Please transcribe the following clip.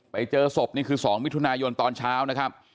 ไปเจอศพนี่คือ๒มิถุนายนตอนเช้านะครับ